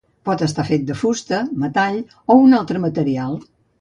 Pot estar fet de fusta, metall o un altre material.